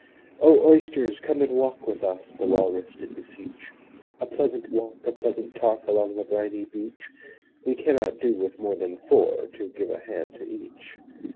'O Oysters, come and walk with us! The Walrus did beseech. 'A pleasant walk, a pleasant talk, Along the briny beach: We cannot do with more than four, To give a hand to each.'